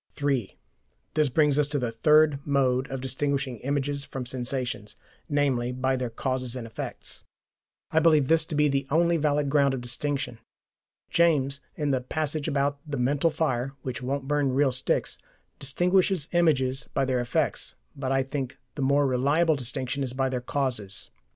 (3) This brings us to the third mode of distinguishing images from sensations, namely, by their causes and effects. I believe this to be the only valid ground of distinction. James, in the passage about the mental fire which won't burn real sticks, distinguishes images by their effects, but I think the more reliable distinction is by their causes.